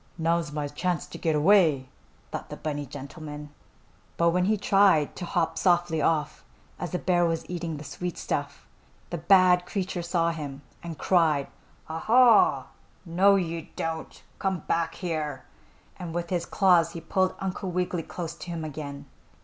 "Now's my chance to get away!" thought the bunny gentleman. But when he tried to hop softly off, as the bear was eating the sweet stuff, the bad creature saw him and cried: "Ah, ha! No you don't! Come hack here!" and with his claws he pulled Uncle Wiggily close to him again.